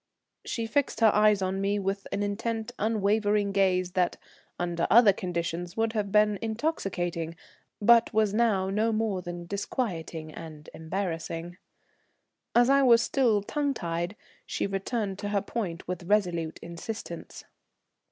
She fixed her eyes on me with an intent unvarying gaze that under other conditions would have been intoxicating, but was now no more than disquieting and embarrassing. As I was still tongue tied, she returned to her point with resolute insistence.